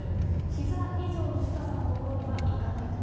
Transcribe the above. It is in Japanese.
ひざ以上の深さの所には行かないと。